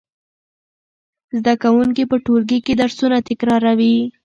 زده کوونکي په ټولګي کې درسونه تکراروي.